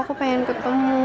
aku pengen ketemu